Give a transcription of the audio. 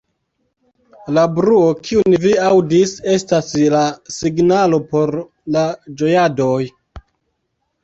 La bruo, kiun vi aŭdis, estas la signalo por la ĝojadoj.